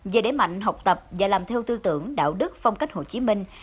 về đế mạnh học tập và làm theo tư tưởng đạo đức phong cách hồ chí minh